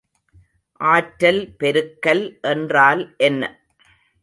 ஆற்றல் பெருக்கல் என்றால் என்ன?